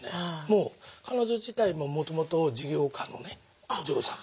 もう彼女自体ももともと事業家のお嬢様。